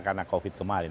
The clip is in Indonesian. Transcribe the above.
karena covid kemarin